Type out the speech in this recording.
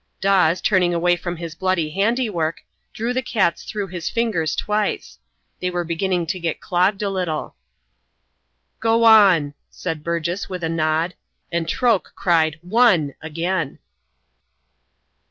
Dawes, turning away from his bloody handiwork, drew the cats through his fingers twice. They were beginning to get clogged a little. "Go on," said Burgess, with a nod; and Troke cried "Wonn!" again.